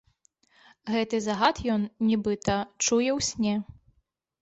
Гэты загад ён, нібыта, чуе ў сне.